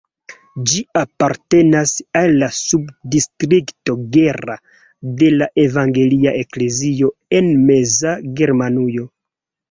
Ĝi apartenas al la subdistrikto Gera de la Evangelia Eklezio en Meza Germanujo.